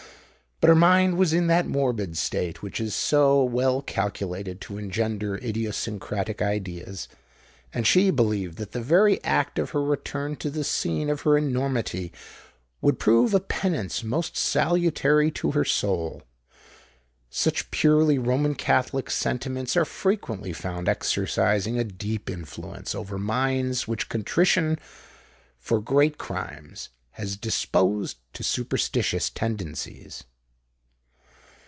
But her mind was in that morbid state which is so well calculated to engender idiosyncratic ideas; and she believed that the very fact of her return to the scene of her enormity would prove a penance most salutary to her soul. Such purely Roman Catholic sentiments are frequently found exercising a deep influence over minds which contrition for great crimes has disposed to superstitious tendencies.